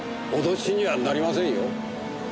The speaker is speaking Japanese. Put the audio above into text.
脅しにはなりませんよ。